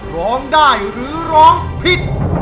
ร้องได้หรือร้องผิด